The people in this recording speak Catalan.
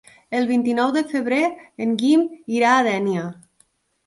El vint-i-nou de febrer en Guim irà a Dénia.